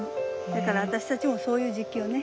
だから私たちもそういう時期よね。